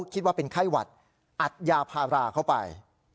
คิดว่าเป็นไข้หวัดอัดยาพาราเข้าไป